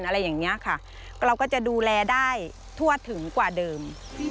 อะไรอย่างนี้ค่ะเราก็จะดูแลได้ทั่วถึงกว่าเดิม